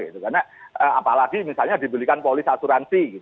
karena apalagi misalnya dibelikan polis asuransi